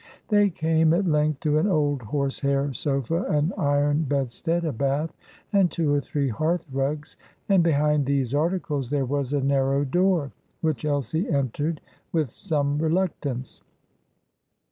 They came at length to an old horse hair sofa, an iron bedstead, a bath, and two or three hearth rugs; and behind these articles there was a narrow door, which Elsie entered with some reluctance.